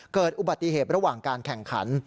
เกิดอุบัติเหตุระหว่างการแข่งขัน